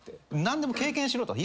何でも経験しろと。